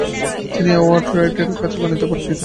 তিনি এডওয়ার্ড রাইটের কাছে গণিতের পাঠ নিতেন।